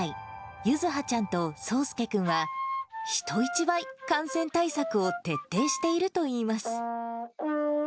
ゆずはちゃんと、そうすけくんは、人一倍、感染対策を徹底しているといいます。